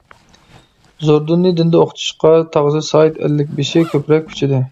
زوردۇننى دىندا ئوقۇتۇشقا تاغىسى سايىت ئەللىكبېشى كۆپرەك كۈچىدى.